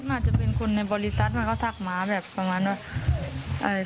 อาจจะเป็นคนในบริษัทมันก็ทักมาแบบประมาณว่า